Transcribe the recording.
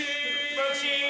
ボクシング。